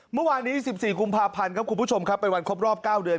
เมื่อวาน๑๔กุมภาพันธ์เป็นวันครบรอบ๙เดือน